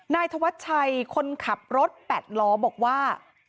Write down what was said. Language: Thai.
นายธวัชชัยคนขับรถ๘ล้อบอกว่า